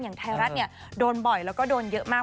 อย่างไทยรัฐเนี่ยโดนบ่อยแล้วก็โดนเยอะมาก